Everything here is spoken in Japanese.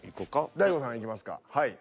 大悟さんいきますかはい。